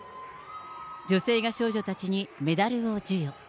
女性が少女たちにメダルを授与。